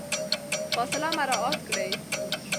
فاصله مراعات کړئ.